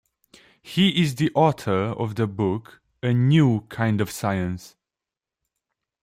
He is the author of the book A New Kind of Science.